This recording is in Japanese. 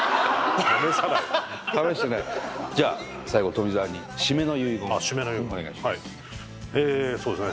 試さないわ試してないじゃあ最後富澤に締めの結言をお願いしますそうですね